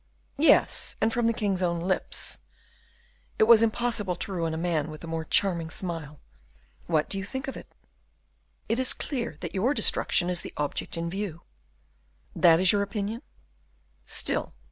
"Yes, and from the king's own lips. It was impossible to ruin a man with a more charming smile. What do you think of it?" "It is clear that your destruction is the object in view." "That is your opinion?" "Still.